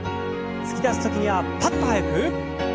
突き出す時にはパッと速く。